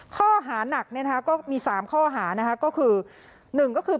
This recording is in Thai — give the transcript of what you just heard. ข้อหานักก็มี๓ข้อหานะคะก็คือ